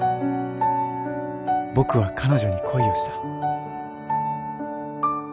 「僕は彼女に恋をした」